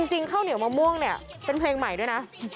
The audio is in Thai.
ข้าวเหนียวมะม่วงเนี่ยเป็นเพลงใหม่ด้วยนะ